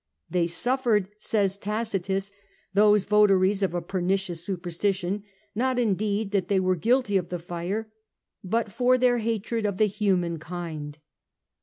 ^ They suffered,* says Tacitus, 'those votaries of a pernicious superstition, not indeed that they were guilty of the fire, but for their hatred of the human kind.